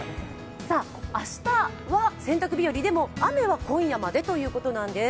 明日は洗濯日和、でも雨は今夜までということなんです。